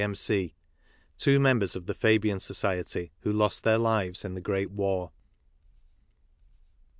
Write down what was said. M.C., two members of the Fabian Society who lost their lives in the Great War.